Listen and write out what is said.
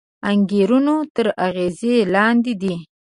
انګېرنو تر اغېز لاندې دی